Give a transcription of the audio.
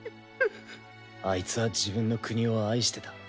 アイツは自分の国を愛してた。